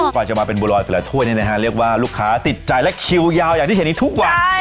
กว่าจะมาเป็นบัวรอยแต่ละถ้วยนี่นะฮะเรียกว่าลูกค้าติดใจและคิวยาวอย่างที่เห็นนี้ทุกวัน